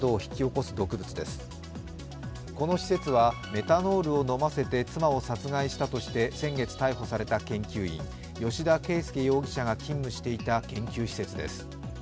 この施設はメタノールを飲ませて妻を殺害したとして先月逮捕された研究員吉田佳右容疑者が勤務していた研究施設です。